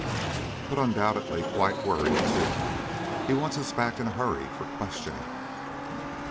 But undoubtedly quite worried, too. He wants us back in a hurry for questioning."